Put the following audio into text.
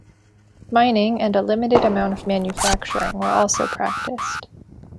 Mining and a limited amount of manufacturing were also practiced.